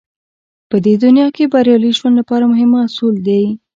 په دې دنيا کې بريالي ژوند لپاره مهم اصول دی.